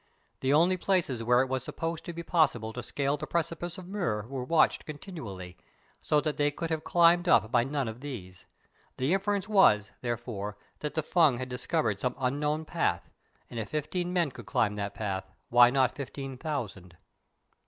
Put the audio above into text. The only places where it was supposed to be possible to scale the precipice of Mur were watched continually, so that they could have climbed up by none of these. The inference was, therefore, that the Fung had discovered some unknown path, and, if fifteen men could climb that path, why not fifteen thousand!